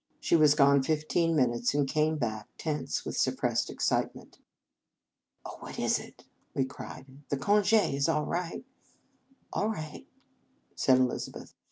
She was gone fifteen minutes, and came back, tense with suppressed excitement. "Oh, what is it?" we cried. "The conge is all right ?"" All right," said Elizabeth.